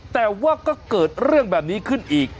แต่ว่าก็เกิดเรื่องแบบนี้ขึ้นอีก